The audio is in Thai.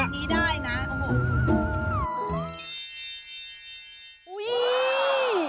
ตรงนี้ได้นะ